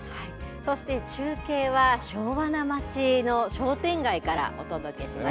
そして中継は昭和な町の商店街からお届けします。